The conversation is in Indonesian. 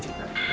saya tidak ingin